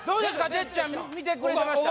てっちゃん見てくれてました